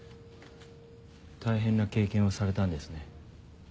大変な経験をされたんですね。